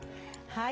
はい。